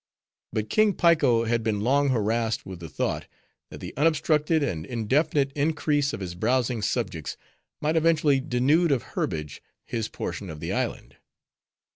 But King Piko had been long harassed with the thought, that the unobstructed and indefinite increase of his browsing subjects might eventually denude of herbage his portion of the island.